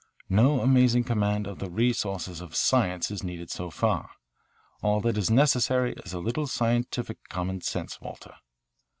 No amazing command of the resources of science is needed so far. All that is necessary is a little scientific common sense, Walter.